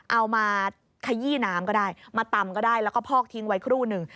เอามาขยี้น้ำก็ได้มาตำก็ได้แล้วก็พอกทิ้งไว้ครู่หนึ่ง